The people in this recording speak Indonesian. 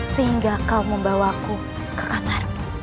sehingga kau membawaku ke kamarmu